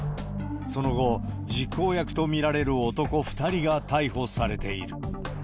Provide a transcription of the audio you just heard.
その後、実行役と見られる男２人が逮捕されている。